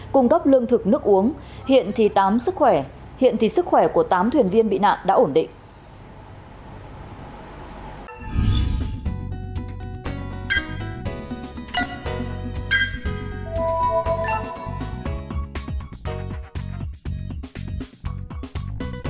cung cấp lương thực nước uống hiện thì sức khỏe của tám thuyền viên bị nạn đã ổn định